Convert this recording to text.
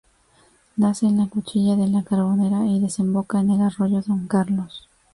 Nace en la cuchilla de la Carbonera y desemboca en el Arroyo Don Carlos.